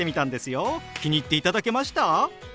気に入っていただけました？